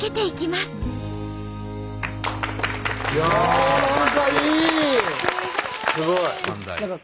すごい。